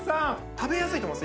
食べやすいと思います